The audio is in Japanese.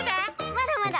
まだまだ。